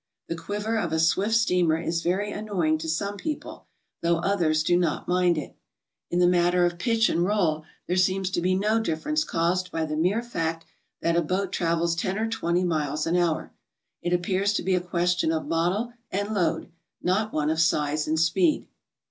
The quiver of a swift steamer is very an noying to some people, though others do not mind it. In the matter of pitch and roll, there seems to be no difference caused by the mere fact that a boat travels ten or twenty miles an hour. It appears to be a question of model and load, not one of size and speed.